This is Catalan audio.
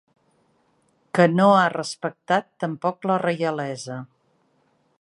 Que no ha respectat tampoc la reialesa.